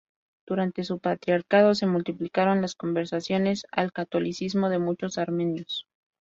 Durante su patriarcado se multiplicaron las conversiones al catolicismo de muchos armenios.